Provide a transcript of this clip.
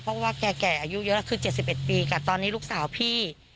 เพราะว่าแก่อายุเยอะแล้วคือ๗๑ปีกับตอนนี้ลูกสาวพี่